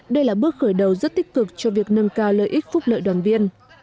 đây là bước khởi đầu rất tích cực cho việc nâng cao lợi ích phúc lợi đoàn viên